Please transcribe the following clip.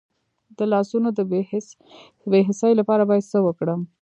د لاسونو د بې حسی لپاره باید څه وکړم؟